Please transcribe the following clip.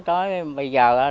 tới bây giờ